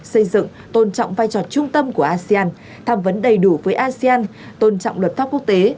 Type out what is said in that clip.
xây dựng tôn trọng vai trò trung tâm của asean tham vấn đầy đủ với asean tôn trọng luật pháp quốc tế